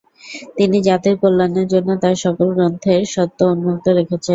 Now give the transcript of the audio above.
তিনি জাতির কল্যাণের জন্য তার সকল গ্রন্থের স্বত্ব উন্মুক্ত রেখেছেন।